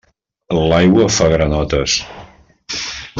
L'aigua fa granotes.